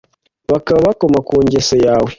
Bakaba bakoma ku ngeso yawe